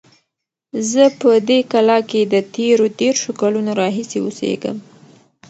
زه په دې کلا کې د تېرو دېرشو کلونو راهیسې اوسیږم.